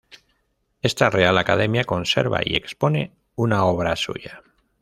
Esta Real Academia conserva y expone una obra suya.